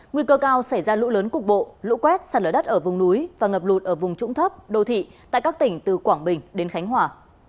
nguy cơ cao xảy ra lũ lớn cục bộ lũ quét sạt lở đất ở vùng núi và ngập lụt ở vùng trũng thấp đô thị tại các tỉnh từ quảng bình đến khánh hòa